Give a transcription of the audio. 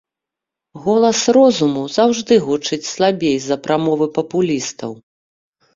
Голас розуму заўжды гучыць слабей за прамовы папулістаў.